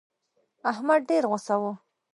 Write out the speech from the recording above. احمد ډېر غوسه و.